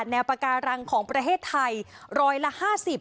แนวปากาหลังของประเทศไทยรอยละ๕๐